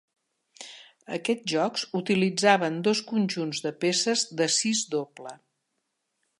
Aquests jocs utilitzaven dos conjunts de peces de "sis doble".